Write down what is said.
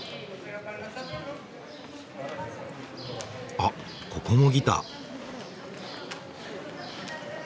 あっここもギター。